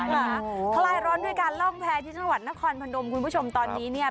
คลาดด้วยการล่องแพรที่จังหวัดนครพนมคุณผู้ชมตอนนี้เนี่ย